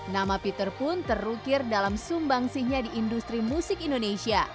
nama peter pun terukir dalam sumbangsihnya di industri musik indonesia